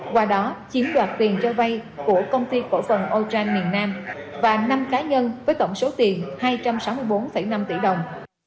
qua đó chiếm đoạt tiền cho vay của công ty cổ phần o cham miền nam và năm cá nhân với tổng số tiền hai trăm sáu mươi bốn năm tỷ đồng